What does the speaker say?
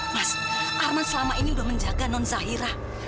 mas arman selama ini sudah menjaga non zahira